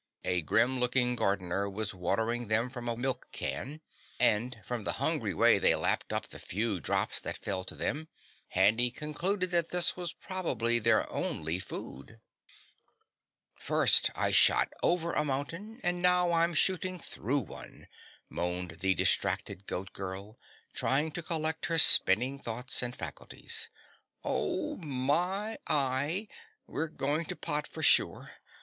A grim looking gardener was watering them from a milk can, and from the hungry way they lapped up the few drops that fell to them, Handy concluded that this was probably their only food. "First I shot over a mountain, and now I'm shooting through one!" moaned the distracted Goat Girl, trying to collect her spinning thoughts and faculties. "Oh, my y, we're going to pot for sure.